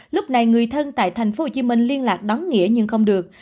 lúc này người thân tại tp hcm liên lạc đón nghĩa nhưng không được